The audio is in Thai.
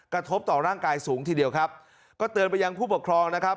กระทบต่อร่างกายสูงทีเดียวครับก็เตือนไปยังผู้ปกครองนะครับ